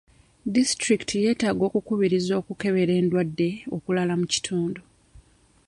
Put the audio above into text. Disitulikiti yetaaga okukubiriza okukebera endwadde okulala mu kitundu.